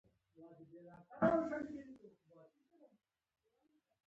غیرت د جرئت بڼه ده